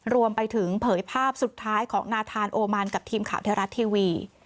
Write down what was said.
รวมไปถึงเผยภาพสุดท้ายของนาธานโอมานกับทีมข่าวไทยรัฐทีวี